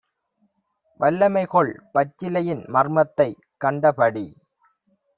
"வல்லமைகொள் பச்சிலையின் மர்மத்தைக் கண்டபடி